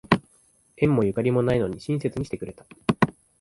縁もゆかりもないのに親切にしてくれた